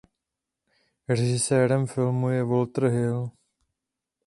Režisérem filmu je Walter Hill.